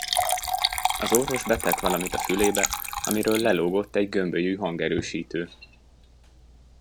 Az orvos betett valamit a fülébe, amiről lelógott egy gömbölyű hangerősítő.